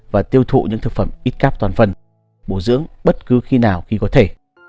và tiêu thụ những thực phẩm ít cáp toàn phần bổ dưỡng bất cứ khi nào khi có thể